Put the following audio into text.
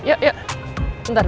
yuk yuk ntar ntar